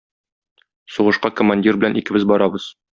Сугышка коммандир белән икебез барабыз.